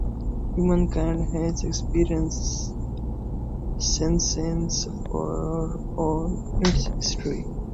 Humankind has experienced senescence for all its history.